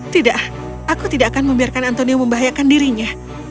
tidak aku tidak akan membiarkan antonio membahayakan dirinya